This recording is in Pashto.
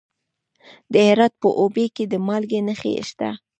د هرات په اوبې کې د مالګې نښې شته.